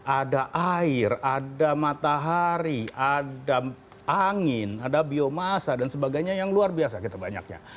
ada air ada matahari ada angin ada biomasa dan sebagainya yang luar biasa kita banyaknya